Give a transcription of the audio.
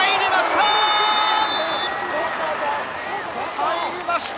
入りました！